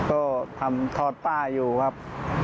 ก็ทำทอดป้าอยู่ครับ